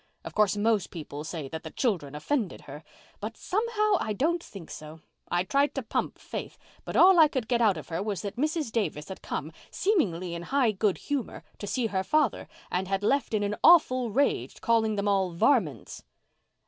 Of course, most people say that the children offended her, but somehow I don't think so. I tried to pump Faith, but all I could get out of her was that Mrs. Davis had come, seemingly in high good humour, to see her father, and had left in an awful rage, calling them all 'varmints!